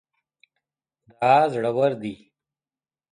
دا زوړ دی